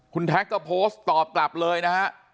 คุณแท็กก็โพสต์ตอบกลับเลยนะฮะ